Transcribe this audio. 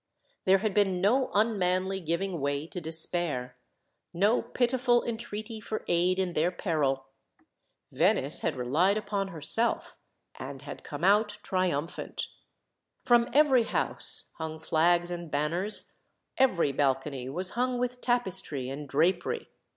There had been no unmanly giving way to despair, no pitiful entreaty for aid in their peril. Venice had relied upon herself, and had come out triumphant. From every house hung flags and banners, every balcony was hung with tapestry and drapery.